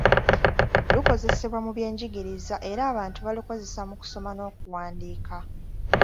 Lukozesebwa mu byenjigiriza era abantu balukozesa mu kusoma n’okuwandiika.